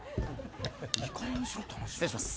失礼します。